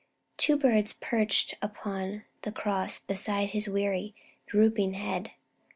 Two birds perched upon the cross beside His weary, drooping head.